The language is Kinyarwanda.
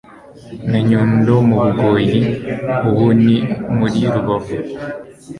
na Nyundo mu Bugoyi ubu ni muri Rubavu).